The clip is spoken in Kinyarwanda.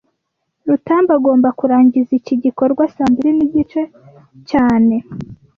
Rutambi agomba kurangiza iki gikorwa saa mbiri nigice cyane